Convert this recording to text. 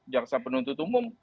jaksa penuntut umum